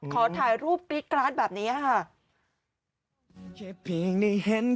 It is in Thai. ขอถ่ายรูปปริกร้านแบบนี้ค่ะ